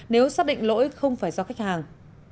nếu xác định lỗi không phải do khách hàng